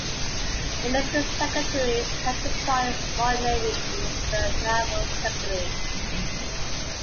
The Military Secretary's counterpart in the Royal Navy is the Naval Secretary.